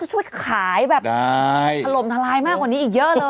หลมทาลายมากกว่านี้อีกเยอะเลย